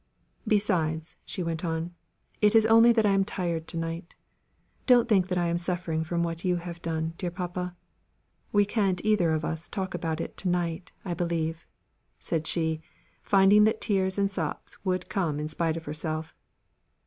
"Besides," she went on, "it is only that I am tired to night; don't think that I am suffering from what you have done, dear papa. We can't either of us talk about it to night, I believe," said she, finding that tears and sobs would come in spite of herself.